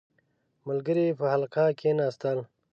• ملګري په حلقه کښېناستل.